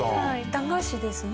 駄菓子ですね。